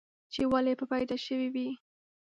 چې ولې به پيدا شوی وې؟